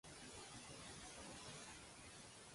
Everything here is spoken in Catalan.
Demana pesto per endur a l'ABaC.